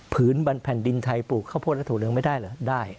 ผืนแผ่นดินไทยปลูกเข้าโพธิ์แล้วถั่วเหลืองไม่ได้เหรอได้